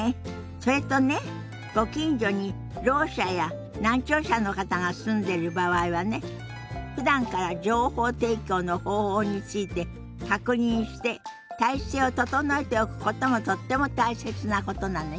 それとねご近所にろう者や難聴者の方が住んでる場合はねふだんから情報提供の方法について確認して体制を整えておくこともとっても大切なことなのよ。